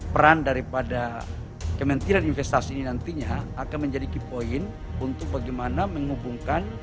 peran daripada kementerian investasi ini nantinya akan menjadi key point untuk bagaimana menghubungkan